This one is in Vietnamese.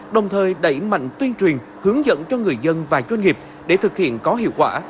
đồng thời đẩy mạnh tuyên truyền hướng dẫn cho người dân và doanh nghiệp để thực hiện có hiệu quả